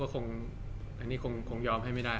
อันนี้คงยอมให้ไม่ได้